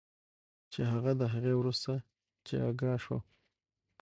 چې هغه د هغې وروسته چې آګاه شو